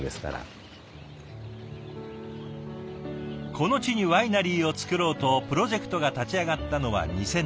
この地にワイナリーを作ろうとプロジェクトが立ち上がったのは２０００年。